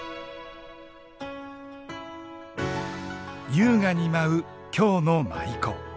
優雅に舞う京の舞妓。